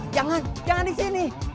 jangan jangan di sini